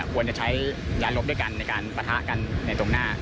ควรจะใช้ยาลบด้วยกันในการปะทะกันในตรงหน้า